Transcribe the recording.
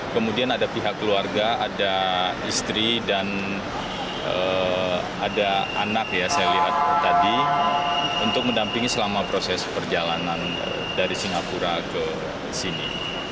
kemudian ada pihak keluarga ada istri dan ada anak ya saya lihat tadi untuk mendampingi selama proses perjalanan dari singapura ke sini